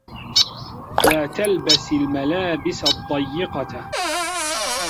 لَا تَلْبَسْ الْمَلاَبِسَ الضَّيِّقَةَ.